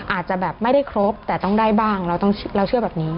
อาจจะแบบไม่ได้ครบแต่ต้องได้บ้างเราเชื่อแบบนี้